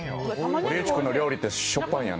堀内君の料理ってしょっぱいんやね。